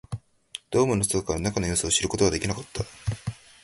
ドームの外から中の様子を知ることはできなかった